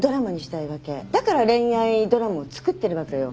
だから恋愛ドラマを作ってるわけよ。